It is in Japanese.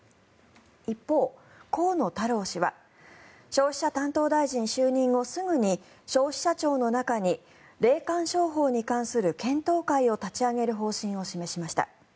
一方、河野太郎氏は消費者担当大臣就任後すぐに消費者庁の中に霊感商法に関する検討会を立ち上げる方針を示しました。